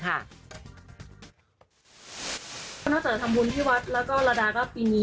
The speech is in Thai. ก็นอกจากทำบุญที่วัดแล้วก็ระดาก็ปีนี้